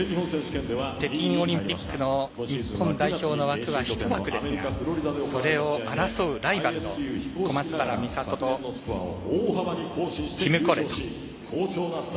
北京オリンピックの日本代表の枠は１枠ですがそれを争うライバルの小松原美里とティム・コレト。